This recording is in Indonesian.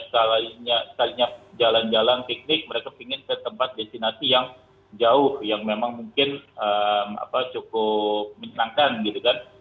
kalau jalan jalan piknik mereka ingin ke tempat destinasi yang jauh yang memang mungkin cukup menyenangkan gitu kan